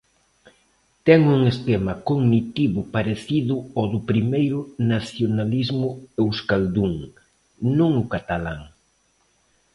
Ten un esquema cognitivo parecido ao do primeiro nacionalismo euscaldún, non o catalán.